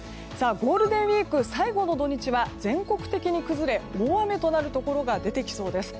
ゴールデンウィーク最後の土日は全国的に崩れ大雨となるところが出てきそうです。